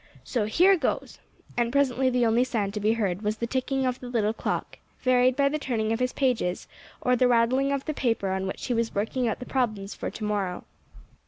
So here goes!" And presently the only sound to be heard was the ticking of the little clock, varied by the turning of his pages, or the rattling of the paper on which he was working out the problems for to morrow.